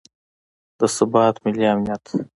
د ثبات، ملي امنیت